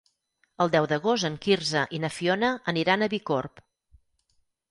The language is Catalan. El deu d'agost en Quirze i na Fiona aniran a Bicorb.